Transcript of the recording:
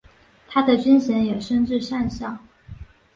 他的军衔也升至上校。